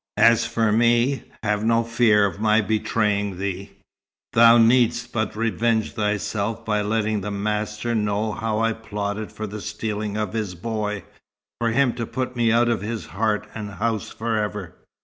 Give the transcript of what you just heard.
As for me, have no fear of my betraying thee. Thou needst but revenge thyself by letting the master know how I plotted for the stealing of his boy, for him to put me out of his heart and house forever.